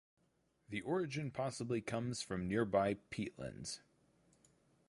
The origin possibly comes from nearby peatlands.